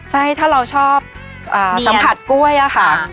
ใช่ถ้าเราชอบสัมผัสกล้วยอะค่ะ